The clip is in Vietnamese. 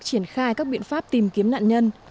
triển khai các biện pháp tìm kiếm nạn nhân